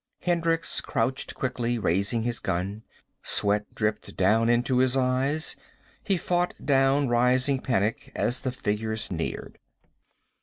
Hendricks crouched quickly, raising his gun. Sweat dripped down into his eyes. He fought down rising panic, as the figures neared.